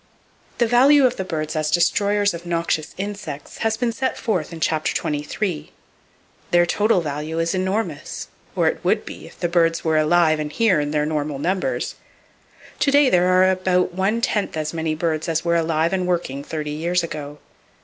The value of the birds as destroyers of noxious insects, has been set forth in Chapter XXIII. Their total value is enormous—or it would be if the birds were alive and here in their normal numbers. To day there are about one tenth as many birds as were alive and working thirty years ago.